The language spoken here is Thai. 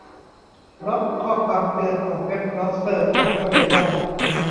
เพราะข้อความเตือนของเว็บเบราว์เซอร์อาจเข้าใจยาก